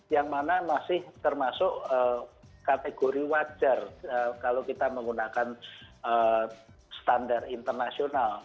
yang mana masih termasuk kategori wajar kalau kita menggunakan standar internasional